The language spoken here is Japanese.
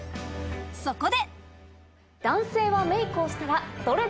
そこで。